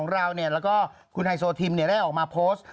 เราแล้วก็คุณไฮโซทิมได้ออกมาโพสต์